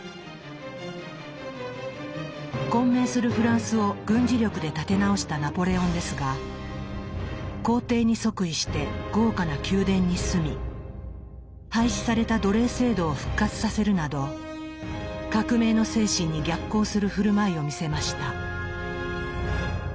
混迷するフランスを軍事力で立て直したナポレオンですが皇帝に即位して豪華な宮殿に住み廃止された奴隷制度を復活させるなど革命の精神に逆行する振る舞いを見せました。